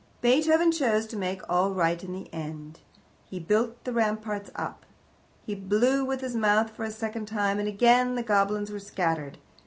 Beethoven chose to make all right in the end. He built the ramparts up. He blew with his mouth for the second time, and again the goblins were scattered.